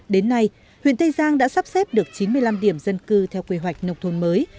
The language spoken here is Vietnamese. đến nay huyện tây giang đã sắp xếp được chín mươi năm điểm dân cư theo quy hoạch nông thôn mới